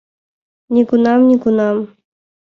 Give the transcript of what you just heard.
Нигунам-нигунам!